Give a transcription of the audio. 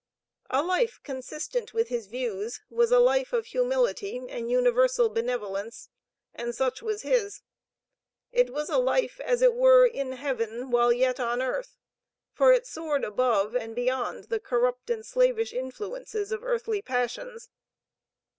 A life consistent with his views, was a life of humility and universal benevolence, and such was his. It was a life, as it were in Heaven, while yet on earth, for it soared above and beyond the corrupt and slavish influences of earthly passions.